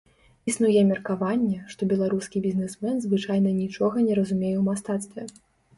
Існуе меркаванне, што беларускі бізнесмен звычайна нічога не разумее ў мастацтве.